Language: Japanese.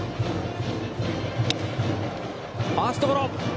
ファーストゴロ。